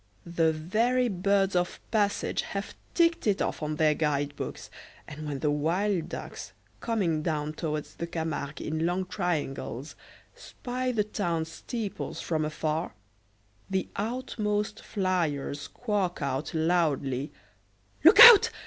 The very birds of passage have ticked it off on their guide books, and when the wild ducks, coming down towards the Camargue in long triangles, spy the town steeples from afar, the outermost flyers squawk out loudly: "Look out!